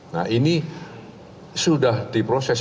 nah ini sudah diproses